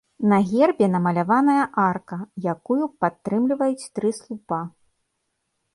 На гербе намаляваная арка, якую падтрымліваюць тры слупа.